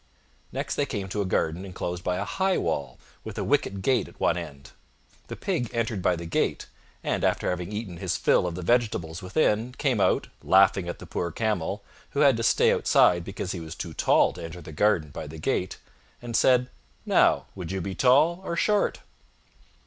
Next they came to a garden, inclosed by a high wall, with a wicket gate at one end. The Pig entered by the gate, and, after having eaten his fill of the vegetables within, came out, laughing at the poor Camel, who had had to stay outside because he was too tall to enter the garden by the gate, and said, "Now, would you be tall or short?"